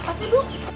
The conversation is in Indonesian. apa sih bu